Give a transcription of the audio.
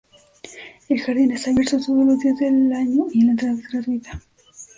El jardín está abierto todos los días del año y la entrada es gratuita.